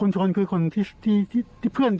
ชน๖๕๐คันเลยหรือ